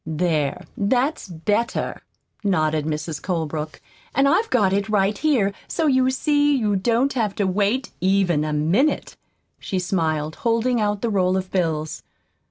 "There, that's better," nodded Mrs. Colebrook. "And I've got it right here, so you see you don't have to wait, even a minute," she smiled, holding out the roll of bills.